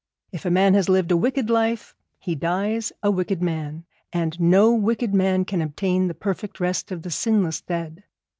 If a man has lived a wicked life, he dies a wicked man, and no wicked man can obtain the perfect rest of the sinless dead.